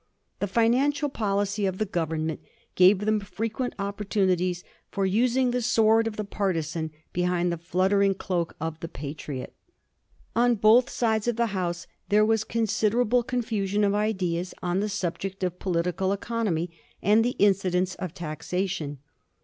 The financial policy of the Government gave them frequent opportunities for using the sword of the partisan behind the fluttering cloak of the patriot. On both sides of the House there was considerable confusion of ideas on the sub ject of political economy and the incidence of taxation.